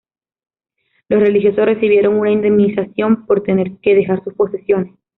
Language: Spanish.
Los religiosos recibieron una indemnización por tener que dejar sus posesiones.